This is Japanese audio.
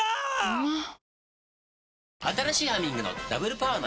うまっ！！